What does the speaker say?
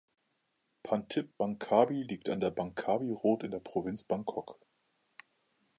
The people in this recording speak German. Pantip Bangkapi liegt an der Bangkapi Road in der Provinz Bangkok.